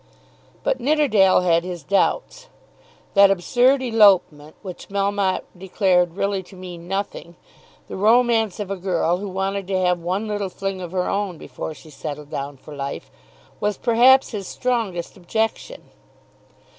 But Nidderdale had his doubts. That absurd elopement, which Melmotte declared really to mean nothing, the romance of a girl who wanted to have one little fling of her own before she settled down for life, was perhaps his strongest objection.